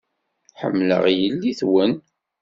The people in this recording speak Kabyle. Ḥemmleɣ yelli-twen.